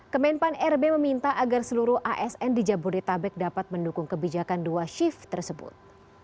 kemenpan rb meminta agar seluruh asn di jabodetabek dapat mendukung kebijakan dua shift tersebut